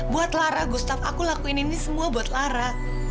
buat lara gustaf aku lakuin ini semua buat lara